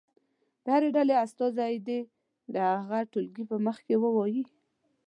د هرې ډلې استازی دې هغه ټولګي په مخ کې ووایي.